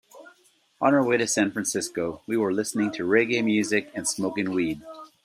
On our way to San Francisco, we were listening to reggae music and smoking weed.